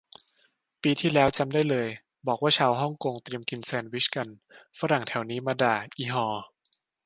ปีที่แล้วจำได้เลย บอกว่าชาวฮ่องกงเตรียมกินแซนด์วิชกัน ฝรั่งแถวนี้มาด่า อิห่อ